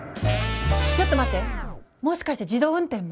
ちょっと待ってもしかして自動運転も？